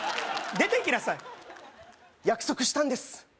出て行きなさい約束したんです